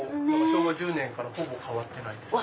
昭和１０年からほぼ変わってないです。